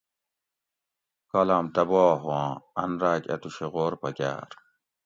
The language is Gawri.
کالام تباہ ھواں ان راک اتوڛی غور پکاۤر